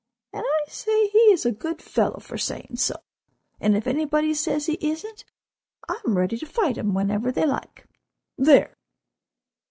And I say he is a good fellow for saying so; and if anybody says he isn't, I am ready to fight him whenever they like—there!